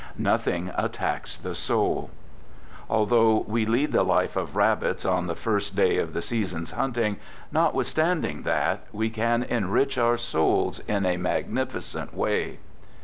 . Nothing attacks the soul." Although " we lead the life of rabbits on the first day of the 5 Digitized by 6 "THE GOOD SOLDIER season's shooting, notwithstanding that, we can en rich our souls in a magnificent way."